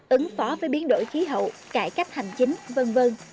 ứng phó với biến đổi khí hậu cải cách hành chính v v